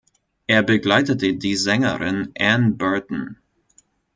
Er begleitete die Sängerin Ann Burton.